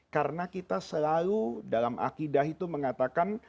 karena kita selalu dalam akidah itu mengatakan